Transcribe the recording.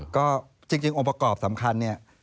ก็จริงองค์ประกอบสำคัญ